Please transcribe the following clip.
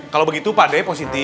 kalau begitu pak de posisi